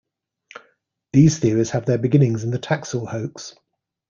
These theories have their beginnings in the Taxil hoax.